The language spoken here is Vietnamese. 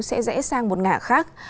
sẽ rẽ sang một ngã khác